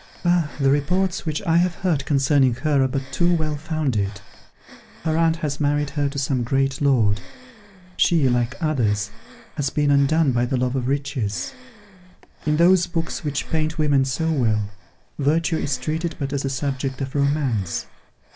Ah! the reports which I have heard concerning her are but too well founded. Her aunt has married her to some great lord. She, like others, has been undone by the love of riches. In those books which paint women so well, virtue is treated but as a subject of romance.